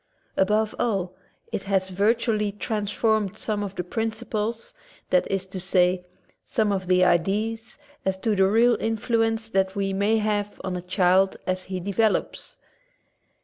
Above all, it has vitally transformed some of the principles, that is to say, some of the ideas as to the real influence that we may have on a child as he .develops.